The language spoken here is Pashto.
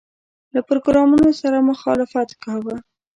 له پروګرامونو سره مخالفت کاوه.